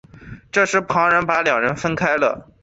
这时旁人把两人分开了。